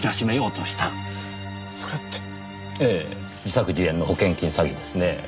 自作自演の保険金詐欺ですねぇ。